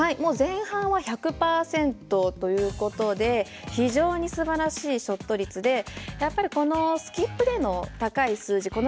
前半は１００％ということで非常にすばらしいショット率でこのスキップでの高い数字